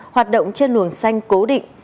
hoạt động trên luồng xanh cố định